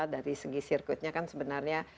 dari segi sirkuitnya kan sebenarnya